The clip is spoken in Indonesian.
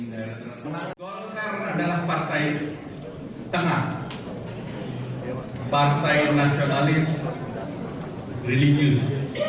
golkar adalah partai tengah partai nasionalis religius